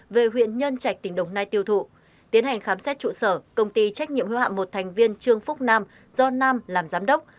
về huyện nhân trạch tỉnh đồng nai tiêu thụ tiến hành khám xét trụ sở công ty trách nhiệm hưu hạm một thành viên trương phúc nam do nam làm giám đốc